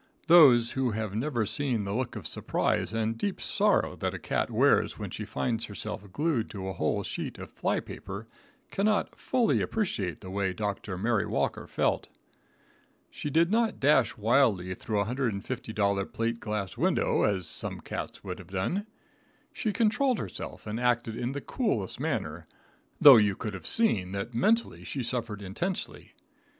Those who have never seen the look of surprise and deep sorrow that a cat wears when she finds herself glued to a whole sheet of fly paper, cannot fully appreciate the way Dr. Mary Walker felt. She did not dash wildly through a $150 plate glass window, as some cats would have done. She controlled herself and acted in the coolest manner, though you could have seen that mentally she suffered intensely.